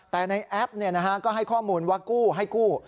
แต่ในแอปก็ให้ข้อมูลว่ากู้ให้กู้